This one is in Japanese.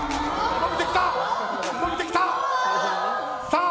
伸びてきた。